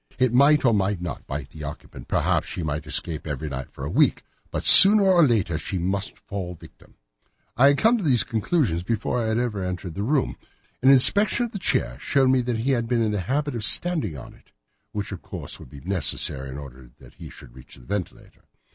It might or might not bite the occupant, perhaps she might escape every night for a week, but sooner or later she must fall a victim. "I had come to these conclusions before ever I had entered his room. An inspection of his chair showed me that he had been in the habit of standing on it, which of course would be necessary in order that he should reach the ventilator.